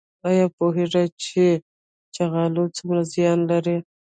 ایا پوهیږئ چې چاغوالی څومره زیان لري؟